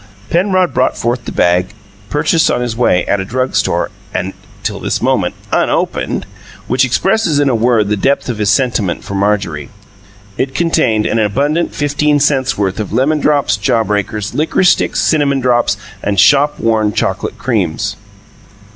Penrod brought forth the bag, purchased on the way at a drug store, and till this moment UNOPENED, which expresses in a word the depth of his sentiment for Marjorie. It contained an abundant fifteen cents' worth of lemon drops, jaw breakers, licorice sticks, cinnamon drops, and shopworn choclate creams.